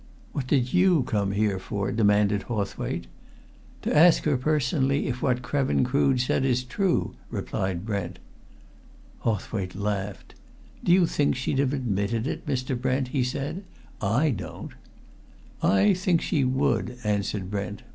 "What did you come here for?" demanded Hawthwaite. "To ask her personally if what Krevin Crood said is true!" replied Brent. Hawthwaite laughed. "Do you think she'd have admitted it, Mr. Brent?" he said. "I don't!" "I think she would," answered Brent.